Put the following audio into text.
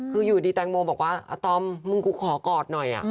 คืออยู่ดีแตงโมบอกว่าอาตอมมึงกูขอกอดหน่อย